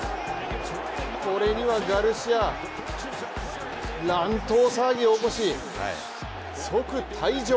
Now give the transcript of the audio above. これにはガルシア、乱闘騒ぎを起こし即退場。